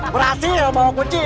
berhasil bawa kucing